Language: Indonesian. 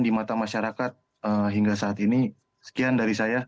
di mata masyarakat hingga saat ini sekian dari saya